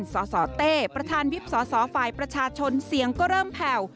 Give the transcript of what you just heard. สตประธานวิบสฝประชาชนเสียงก็เริ่มแผ่ว